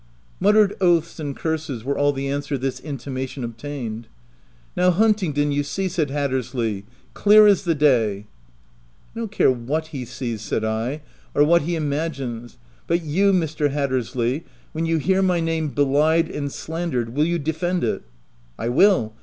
Muttered oaths and curses were all the an swer this intimation obtained. "Now Huntingdon, you see V said Hatters ley, u clear as the day*" "I don't care what he sees/' said I, "or what he imagines ; but you, Mr. Hattersley, when you hear my name belied and slandered, will you defend it ?"" I will.